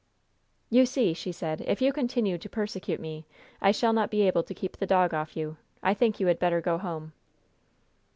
"You see," she said, "if you continue to persecute me, I shall not be able to keep the dog off you. I think you had better go home."